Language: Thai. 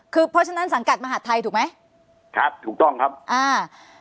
คือเพราะฉะนั้นสังกัดมหาดไทยถูกไหมครับถูกต้องครับอ่า